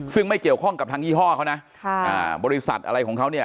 ซึ่งไม่เกี่ยวข้องกับทางยี่ห้อเขานะบริษัทอะไรของเขาเนี่ย